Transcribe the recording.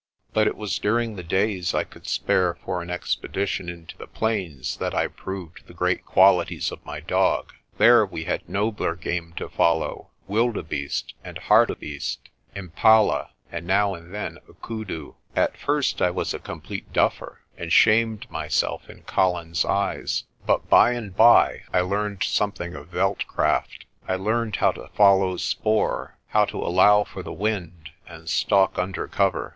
But it was during the days I could spare for an expedition into the plains that I proved the great qualities of my dog. There we had nobler game to follow wildebeest and hartebeest, impala, and now and then a koodoo. At first I was a com plete duffer, and shamed myself in Colin's eyes. But by 50 PRESTER JOHN and by I learned something of veld craft: I learned how to follow spoor, how to allow for the wind, and stalk under cover.